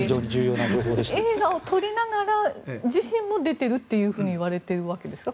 映画を撮りながら自身も出ているというわけですか？